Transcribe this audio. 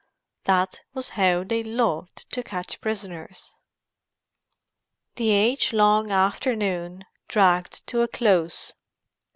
That was how they loved to catch prisoners. The age long afternoon dragged to a close.